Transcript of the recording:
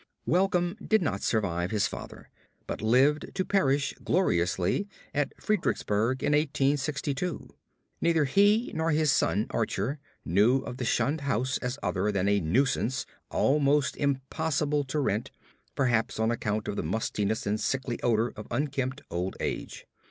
Welcome did not survive his father, but lived to perish gloriously at Fredericksburg in 1862. Neither he nor his son Archer knew of the shunned house as other than a nuisance almost impossible to rent perhaps on account of the mustiness and sickly odor of unkempt old age.